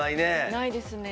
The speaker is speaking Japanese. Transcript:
ないですね。